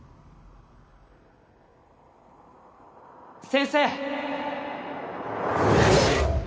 先生！